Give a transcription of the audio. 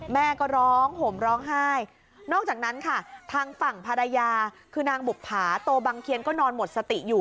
แม่ก็ร้องห่มร้องไห้นอกจากนั้นค่ะทางฝั่งภรรยาคือนางบุภาโตบังเคียนก็นอนหมดสติอยู่